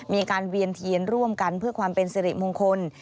เวียนเทียนร่วมกันเพื่อความเป็นสิริมงคล